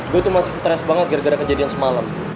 gue tuh masih stres banget gara gara kejadian semalam